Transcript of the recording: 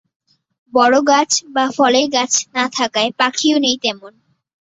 বড়গাছ বা ফলের গাছ না থাকায় পাখিও নেই তেমন।